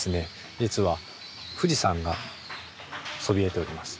実は富士山がそびえております。